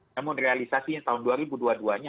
namun realisasinya tahun dua ribu dua puluh dua nya